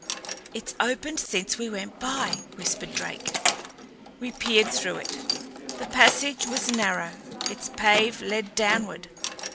"It's opened since we went by," whispered Drake. We peered through it. The passage was narrow; its pave led downward.